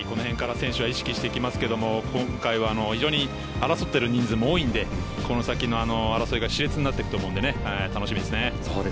選手は意識してきますが今回、非常に争っている人数も多いので、この先の争い、し烈になってくると思うので楽しみですね。